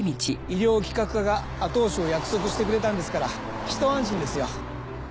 医療企画課が後押しを約束してくれたんですからひと安心ですよ。